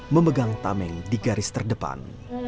memegang tameng di garis terdepan